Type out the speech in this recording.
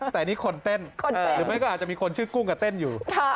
แต่นี่คนเต้นหรือไม่ก็อาจจะมีคนชื่อกุ้งกับเต้นอยู่